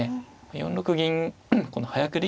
４六銀この早繰り